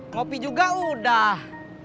kopi juga udah